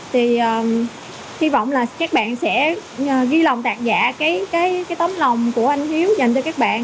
thì hy vọng là các bạn sẽ ghi lòng tặc giả cái tấm lòng của anh hiếu dành cho các bạn